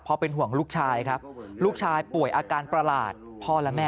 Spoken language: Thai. เพราะเป็นห่วงลูกชายครับลูกชายป่วยอาการประหลาดพ่อและแม่